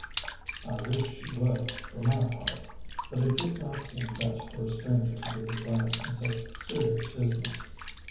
I wished she would, for my part, but it did not seem best for a stranger to give advice in such serious business.